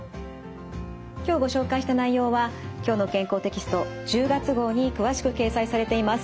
今日ご紹介した内容は「きょうの健康」テキスト１０月号に詳しく掲載されています。